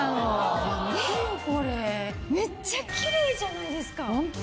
めっちゃキレイじゃないですか。